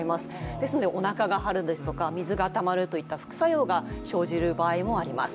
ですのでおなかが張る、水がたまるという副作用が生じる場合もあります。